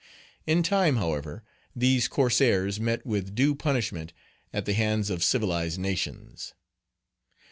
In time, however, these corsairs met with due punishment at the hands of civilized nations.